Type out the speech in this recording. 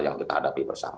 yang kita hadapi bersama